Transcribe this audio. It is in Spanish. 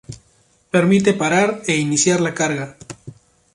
Permite parar e iniciar la carga.